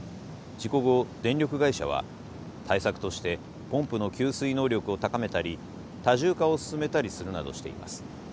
事故後電力会社は対策としてポンプの給水能力を高めたり多重化を進めたりするなどしています。